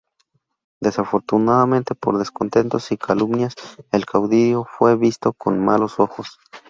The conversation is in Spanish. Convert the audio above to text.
Desafortunadamente por descontentos y calumnias el caudillo fue visto con malos ojos.